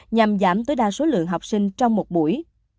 nhằm giảm tối đa số lượng học sinh trong một buổi